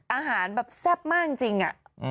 อาหารแบบแซ่บมากจริง